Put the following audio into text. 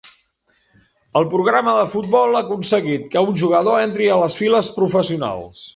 El programa de futbol ha aconseguit que un jugador entri a les files professionals.